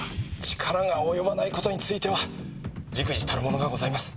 力が及ばない事については忸怩たるものがございます。